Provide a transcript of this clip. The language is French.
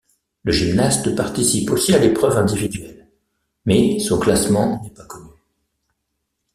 Le gymnaste participe aussi à l'épreuve individuelle, mais son classement n'est pas connu.